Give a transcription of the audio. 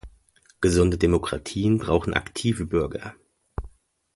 Gesunde Demokratien brauchen aktive Bürger.